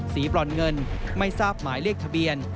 บรอนเงินไม่ทราบหมายเลขทะเบียน